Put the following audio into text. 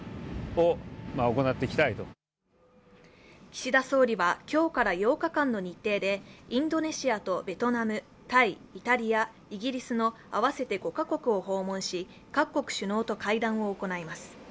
岸田総理は今日から８日間の日程でインドネシアとベトナム、タイ、イタリア、イギリスの合わせて５カ国を訪問し各国首脳と会談を行います。